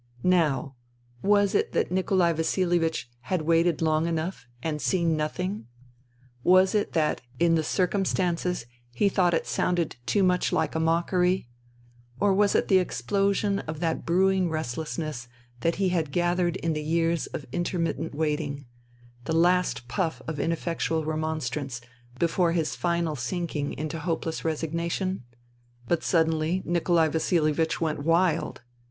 Now, was it that Nikolai Vasilievich had waited long enough and seen nothing ? Was it that in the 166 FUTILITY circumstances he thought it sounded too much Hke a mockery ? Or was it the explosion of that brewing restlessness that he had gathered in the years of intermittent waiting : the last puff of ineffectual remonstrance before his final sinking into hopeless resignation ? But suddenly Nikolai Vasilievich went wild.